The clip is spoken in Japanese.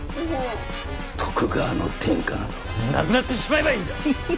徳川の天下などなくなってしまえばいいんだ！